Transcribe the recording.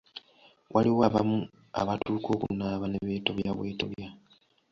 Waliwo abamu abatuuka okunaaba ne beetobya bwetobya.